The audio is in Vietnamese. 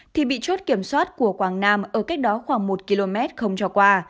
thì bị chốt kiểm soát của quảng nam ở cách đó khoảng một km không cho qua